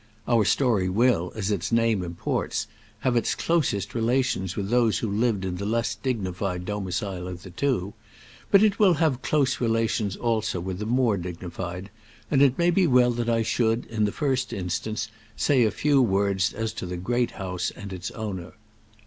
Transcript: Our story will, as its name imports, have its closest relations with those who lived in the less dignified domicile of the two; but it will have close relations also with the more dignified, and it may be well that I should, in the first instance, say a few words as to the Great House and its owner.